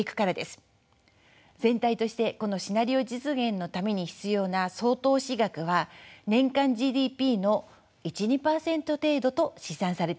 全体としてこのシナリオ実現のために必要な総投資額は年間ＧＤＰの１２％程度と試算されています。